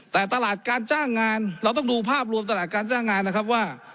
แต่ตลาดการจ้างงานเราต้องดูภาพรวมตลาดการจ้างงานนะครับว่า